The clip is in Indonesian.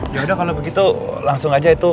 yaudah kalau begitu langsung aja itu